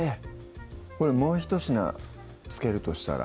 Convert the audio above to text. これもうひと品付けるとしたら？